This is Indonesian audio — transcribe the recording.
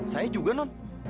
saya juga non